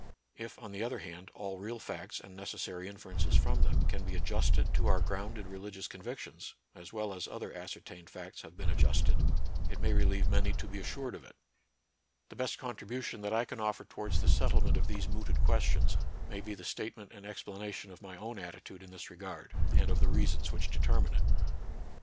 If, on the other hand, all real facts and necessary inferences from them can be ad justed to our grounded religious convictions, as well as other ascertained facts have been ad justed, it may relieve many to be assured of it. 64 NATURAL SCIENCE AND RELIGION. The best contribution that I can offer towards the settlement of these mooted questions may be the statement and explanation of my own attitude in this regard, and of the reasons which determine it.